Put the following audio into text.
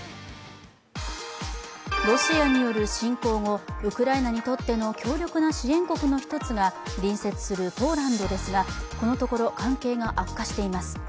ロシアによる侵攻後、ウクライナにとっての強力な支援国の一つが隣接するポーランドですが、このところ関係が悪化しています。